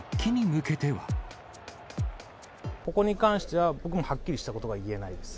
ここに関しては、僕もはっきりしたことが言えないです。